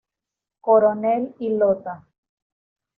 Coronel y Lota.